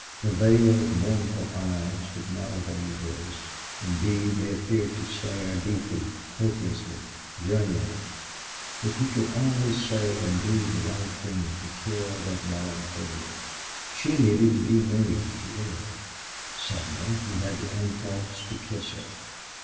The veiled, mournful eyes did not evade his; indeed, they appeared to stare deeply, hopelessly, yearningly. If he could only say and do the right thing to kill that melancholia. She needed to be made to live. Suddenly he had the impulse to kiss her.